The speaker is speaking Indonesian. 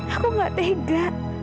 aku gak tega